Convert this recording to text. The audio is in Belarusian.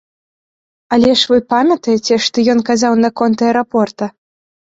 Але ж вы памятаеце, што ён казаў наконт аэрапорта?